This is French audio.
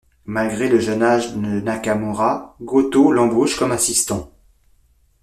Malgré le jeune âge de Nakamura, Gotō l'embauche comme assistant.